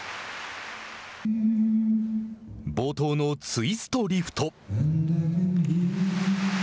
冒頭のツイストリフト。